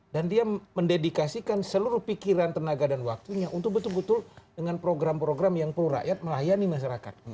dan dia mendedikasikan seluruh pikiran tenaga dan waktunya untuk betul betul dengan program program yang perlu rakyat melayani masyarakat